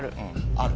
ある？